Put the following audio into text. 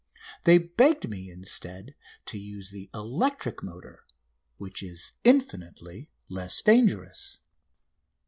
They begged me instead to use the electric motor "which is infinitely less dangerous."